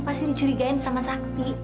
pasti dicurigain sama sakti